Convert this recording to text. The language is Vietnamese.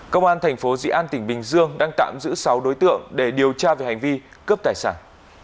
công an thành phố dị an tỉnh bình dương đang tạm giữ sáu đối tượng để điều tra về hành vi cướp tài sản